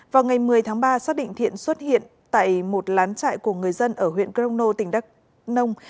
vào ngày một mươi tháng ba xác định thiện xuất hiện tại một lán trại của người dân ở huyện crono tỉnh đắk nông